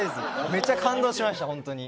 めっちゃ感動しました本当に。